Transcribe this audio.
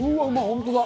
本当だ！